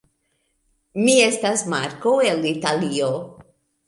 Mi estas Marko el Italio